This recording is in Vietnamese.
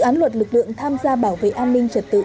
án luật lực lượng tham gia bảo vệ an ninh trật tự